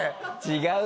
違う